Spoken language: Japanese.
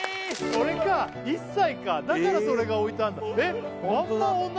これか１歳かだからそれが置いてあんだえっ？